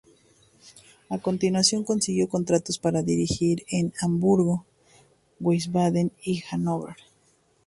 A continuación consiguió contratos para dirigir en Hamburgo, Wiesbaden y Hanover.